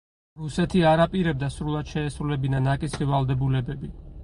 რუსეთი არ აპირებდა სრულად შეესრულებინა ნაკისრი ვალდებულებები.